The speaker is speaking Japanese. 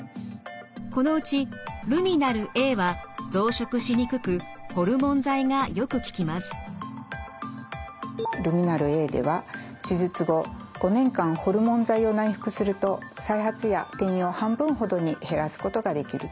このうちルミナルＡはルミナルＡでは手術後５年間ホルモン剤を内服すると再発や転移を半分ほどに減らすことができるといわれています。